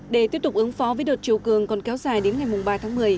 để tiếp tục ứng phó với đợt chiều cường còn kéo dài đến ngày ba tháng một mươi